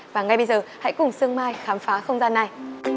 và ngay bây giờ hãy cùng sương mai khám phá không gian này